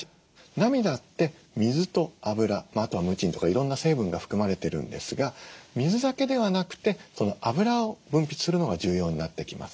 涙って水と脂あとはムチンとかいろんな成分が含まれてるんですが水だけではなくて脂を分泌するのが重要になってきます。